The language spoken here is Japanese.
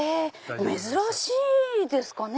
珍しいですかね。